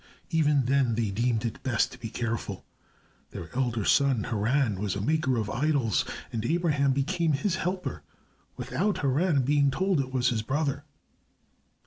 Even then they deemed it best to be careful. Their elder son, Haran, was a maker of idols and Abraham became his helper without Haran being told it was his brother.